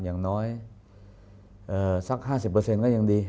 อย่างน้อยสัก๕๐ก็ยังดี